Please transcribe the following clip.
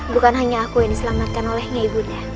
bukan hanya aku yang diselamatkan olehnya ibu nda